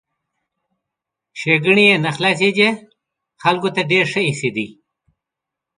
ښېګڼې یې نه خلاصېدې ، خلکو ته ډېر ښه ایسېدی!